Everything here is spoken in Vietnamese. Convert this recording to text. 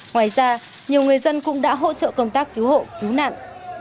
ngoài ra nhiều người dân cũng đã hỗ trợ công tác cứu hộ cứu nạn